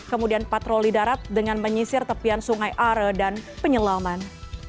kemudian patroli darat dengan menyisir tepian sungai are dan penyelaman